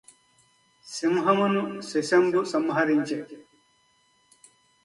సింహమును శశంబు సంహరించె